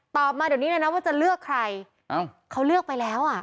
มาเดี๋ยวนี้เลยนะว่าจะเลือกใครเอ้าเขาเลือกไปแล้วอ่ะ